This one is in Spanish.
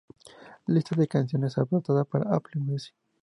Lista de canciones adaptada para Apple Music.